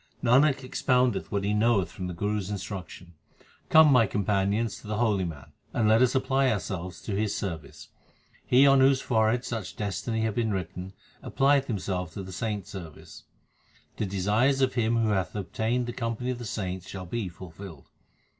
Nanak expoundeth what he knoweth from the Guru s instruction ; come, my companions, to the holy man, and let us apply ourselves to his service. He on whose forehead such destiny hath been written applieth himself to the saints service. The desires of him who hath obtained the company of the saints shall be fulfilled.